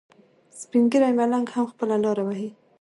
سپین ږیری ملنګ هم خپله لاره وهي.